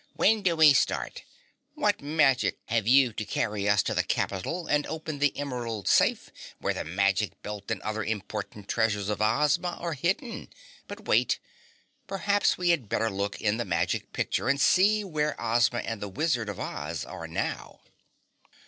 "When do we start? What magic have you to carry us to the capital and open the emerald safe where the magic belt and other important treasures of Ozma are hidden? But wait, perhaps we had better look in the magic picture and see where Ozma and the Wizard of Oz are now?"